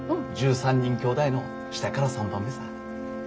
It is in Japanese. １３人きょうだいの下から３番目さ。